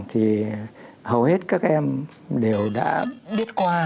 thì hầu hết các em đều đã biết qua